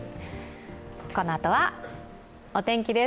このあとはお天気です。